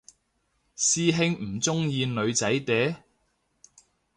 師兄唔鍾意女仔嗲？